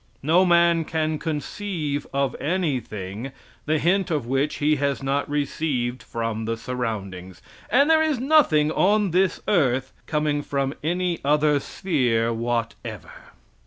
No man can conceive of anything, the hint of which he has not received from the surroundings. And there is nothing on this earth, coming from any other sphere whatever.